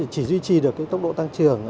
chỉ duy trì được tốc độ tăng trưởng